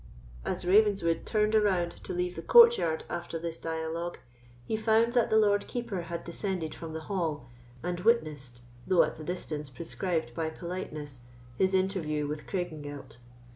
As Ravenswood turned round to leave the courtyard after this dialogue, he found that the Lord Keeper had descended from the hall, and witnessed, though at the distance prescribed by politeness, his interview with Craigengelt.